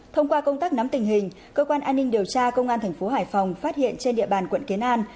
thông qua công tác nắm tình hình cơ quan an ninh điều tra công an thành phố hải phòng phát hiện trên địa bàn quận kiến an